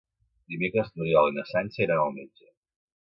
Dimecres n'Oriol i na Sança iran al metge.